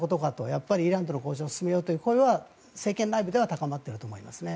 やっぱりイランとの交渉を進めようという声は政権内部では高まっていると思いますね。